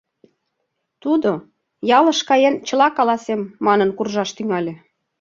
Тудо, «ялыш каен, чыла каласем» манын, куржаш тӱҥале.